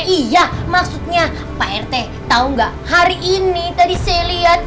iya maksudnya pak rete tau gak hari ini tadi saya lihat